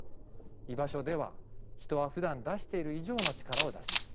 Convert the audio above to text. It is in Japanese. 居場所では人はふだん出している以上の力を出します。